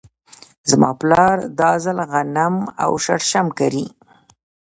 زما پلار دا ځل غنم او شړشم کري.